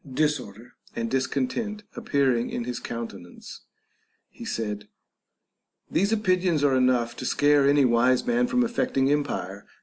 Disorder and discontent appearing in his countenance, he said, These opinions are enough to scare any wise man from affecting empire.